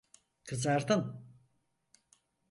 Kızardın.